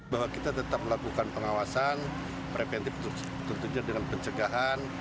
bahwa kita tetap melakukan pengawasan preventif tentunya dengan pencegahan